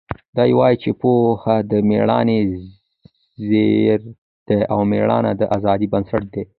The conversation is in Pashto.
دی وایي چې پوهه د مېړانې زیور دی او مېړانه د ازادۍ بنسټ دی.